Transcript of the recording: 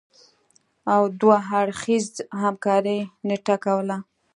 او دوه اړخیزې همکارۍ نټه کوله